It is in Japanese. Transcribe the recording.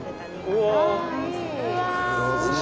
うわ。